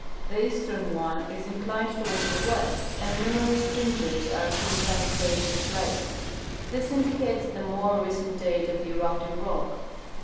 The eastern one is inclined toAvard the west, and numerous stringers are seen penetrating the slates. This indicates the more recent date of the eruptive rock.